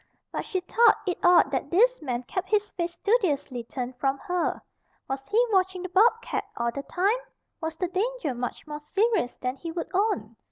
But she thought it odd that this man kept his face studiously turned from her. Was he watching the bobcat all the time? Was the danger much more serious than he would own?